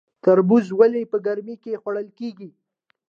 تربوز ولې په ګرمۍ کې خوړل کیږي؟